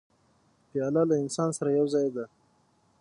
پیاله له انسان سره یو ځای ده.